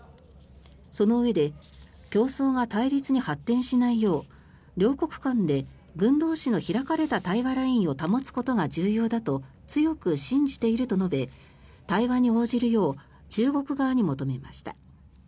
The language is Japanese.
そのうえで競争が対立に発展しないよう両国間で軍同士の開かれた対話ラインを保つことが重要だと強く信じていると述べ対話に応じるよう中国側に求めました。